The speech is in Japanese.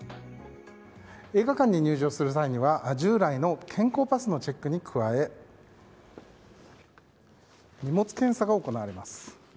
映画館に入場する際には従来の健康パスのチェックに加え荷物検査が行われます。